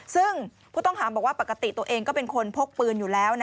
ซึ่งผู้ต้องหาบอกว่าปกติตัวเองก็เป็นคนพกปืนอยู่แล้ว